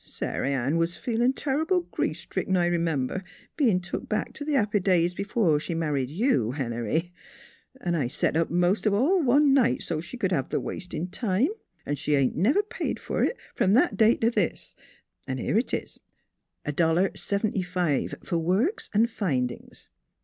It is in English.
Sar'Ann was feelin' tumble grief stricken, I r'member, bein' took back t' th' happy days b'fore she married you, Henery; an' I set up most all o' one night so t' she c'd hev' th' waist in time. She ain't never paid f'r it from that day t' this, an' here 'tis : a dollar 'n' seventy fi' cents f'r work an' findin's."